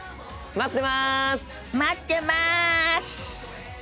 待ってます！